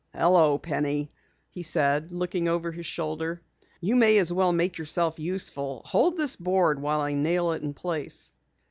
"Hello, Penny," he said, looking over his shoulder. "You may as well make yourself useful. Hold this board while I nail it in place."